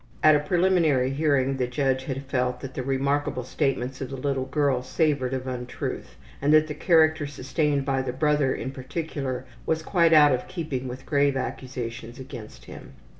At a preliminary hearing the judge had felt that the remarkable statements of the little girl savored of untruth, and that the character sustained by the brother, in particular, was quite out of keeping with the grave accusations against him.